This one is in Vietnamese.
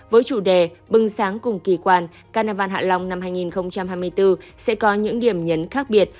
với chủ đề bưng sáng cùng kỳ quan carnival hạ long năm hai nghìn hai mươi bốn sẽ có những điểm nhấn khác biệt